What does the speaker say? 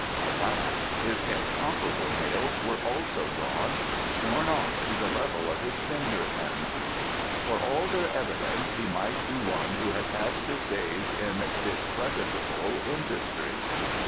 Alas! his incomparable nails were also gone, shorn off to the level of his finger ends. For all their evidence he might be one who had passed his days in discreditable industry.